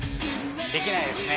できないですね